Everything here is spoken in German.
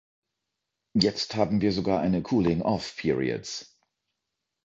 Jetzt haben wir sogar eine cooling off periods.